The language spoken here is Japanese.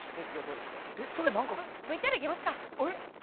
ＶＴＲいきますか。